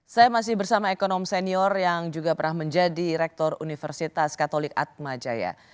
saya masih bersama ekonom senior yang juga pernah menjadi rektor universitas katolik atmajaya